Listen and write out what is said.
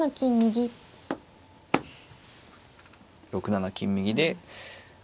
６七金右で。